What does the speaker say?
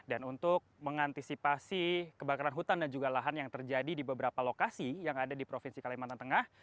dan untuk mengantisipasi kebakaran hutan dan juga lahan yang terjadi di beberapa lokasi yang ada di provinsi kalimantan tengah